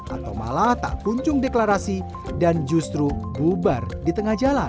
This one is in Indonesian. atau malah tak kunjung deklarasi dan justru bubar di tengah jalan